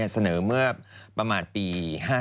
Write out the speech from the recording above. เสนอเมื่อประมาณปี๕๗